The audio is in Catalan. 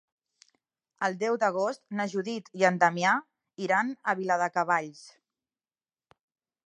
El deu d'agost na Judit i en Damià iran a Viladecavalls.